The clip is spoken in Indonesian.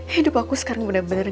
hidup aku sekarang benar benar